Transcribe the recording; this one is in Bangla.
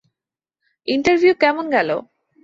ইন্টারভিউ কেমন গেলো?